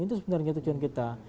itu sebenarnya tujuan kita